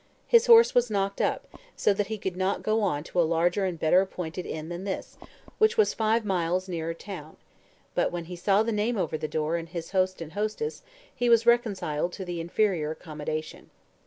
His horse was knocked up, so that he could not go on to a larger and better appointed inn than this, which was five miles nearer town; but when he saw the name over the door and the host and hostess, he was reconciled to the inferior accommodation.